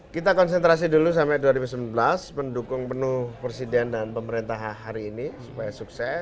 kita konsentrasi dulu sampai dua ribu sembilan belas mendukung penuh presiden dan pemerintah hari ini supaya sukses